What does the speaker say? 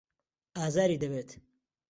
ئازاری دەبێت.